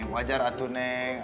wajar atu neng